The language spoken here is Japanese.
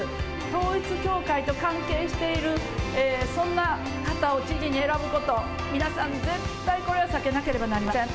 統一教会と関係している、そんな方を知事に選ぶこと、皆さん、絶対これは避けなければなりません。